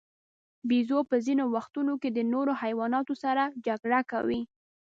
بیزو په ځینو وختونو کې د نورو حیواناتو سره جګړه کوي.